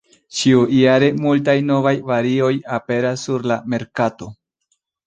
Ĉiujare multaj novaj varioj aperas sur la merkato.